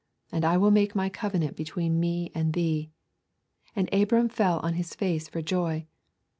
And I will make My covenant between Me and thee.' And Abram fell on his face for joy.